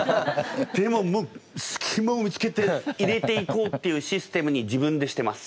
でももうすきまを見つけて入れていこうっていうシステムに自分でしてます。